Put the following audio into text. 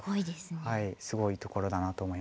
すごいところだなと思いましたね。